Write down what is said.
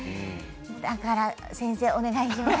だから先生、お願いします。